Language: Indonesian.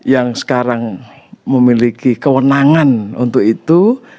yang sekarang memiliki kewenangan untuk itu